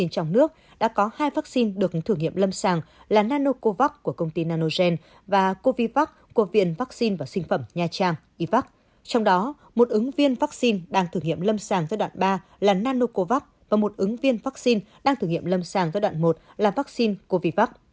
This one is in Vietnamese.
trong đó một ứng viên vắc xin đang thử nghiệm lâm sàng giai đoạn ba là nanocovax và một ứng viên vắc xin đang thử nghiệm lâm sàng giai đoạn một là vaccine covivac